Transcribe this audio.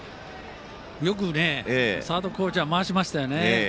よくね、サードコーチャー回しましたよね。